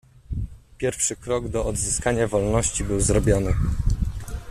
"Pierwszy krok do odzyskania wolności był zrobiony."